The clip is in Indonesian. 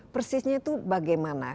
persisnya itu bagaimana